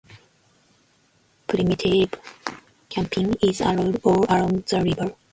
Primitive camping is allowed all along the river.